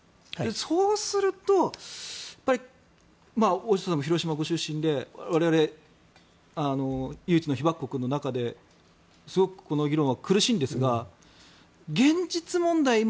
そうすると大下さんも広島ご出身で我々、唯一の被爆国の中ですごくこの議論は苦しいんですが現実問題